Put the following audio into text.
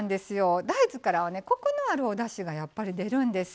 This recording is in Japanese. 大豆からはコクのあるおだしがやっぱり出るんです。